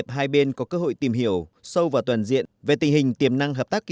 nhưng bởi vì nhiều người dân việt đã đề cập về quý vị